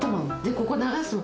ここ流すの。